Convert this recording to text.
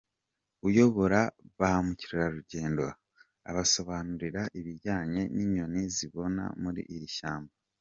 Uyobora ba mukerarugendo abasobanurira ibijyanye n’inyoni ziboneka muri iri shyamba.